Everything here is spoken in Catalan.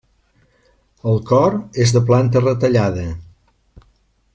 El cor és de planta retallada.